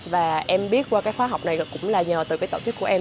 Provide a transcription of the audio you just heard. và em biết qua khóa học này cũng là nhờ từ tổ chức của em